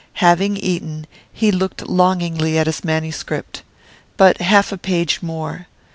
Having eaten, he looked longingly at his manuscript. But half a page more.